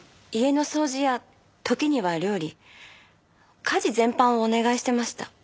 家の掃除や時には料理家事全般をお願いしてました。